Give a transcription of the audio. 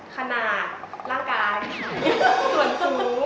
ขนาดร่างกายส่วนสูง